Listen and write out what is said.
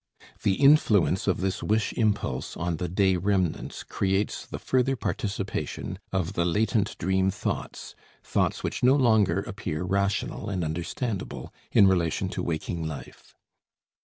The influence of this wish impulse on the day remnants creates the further participation of the latent dream thoughts, thoughts which no longer appear rational and understandable in relation to waking life.